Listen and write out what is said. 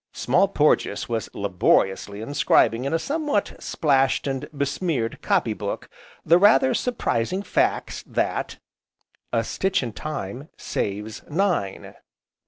Small Porges was laboriously inscribing in a somewhat splashed and besmeared copy book the rather surprising facts that: A stitch in time, saves nine.